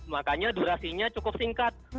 makanya durasinya cukup singkat